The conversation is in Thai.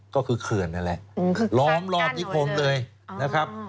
ก็คือเขื่อนนั่นแหละล้อมรอบนิคมเลยนะครับ